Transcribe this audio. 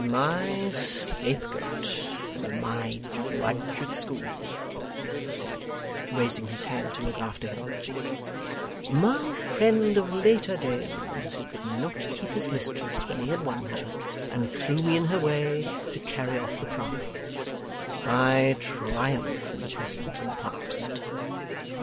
'My scapegoat and my drudge at school,' he said, raising his head to look after him; 'my friend of later days, who could not keep his mistress when he had won her, and threw me in her way to carry off the prize; I triumph in the present and the past.